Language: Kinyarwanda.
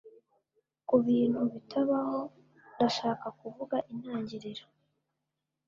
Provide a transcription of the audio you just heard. Kubintu bitabaho Ndashaka kuvuga intangiriro